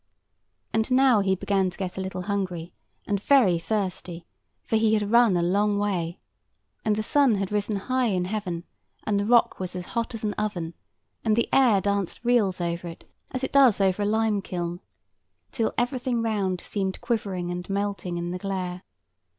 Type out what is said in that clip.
And now he began to get a little hungry, and very thirsty; for he had run a long way, and the sun had risen high in heaven, and the rock was as hot as an oven, and the air danced reels over it, as it does over a limekiln, till everything round seemed quivering and melting in the glare.